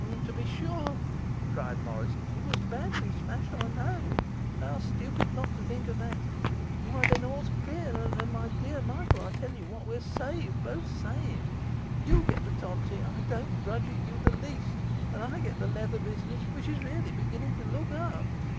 'To be sure!' cried Morris; 'it was badly smashed, I know. How stupid not to think of that! Why, then, all's clear; and, my dear Michael, I'll tell you what we're saved, both saved. You get the tontine I don't grudge it you the least and I get the leather business, which is really beginning to look up.